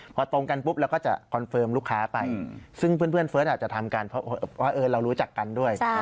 พอตรงกันปุ๊บเราก็จะคอนเฟิร์มลูกค้าไปซึ่งเพื่อนเฟิร์สอาจจะทำกันเพราะว่าเรารู้จักกันด้วย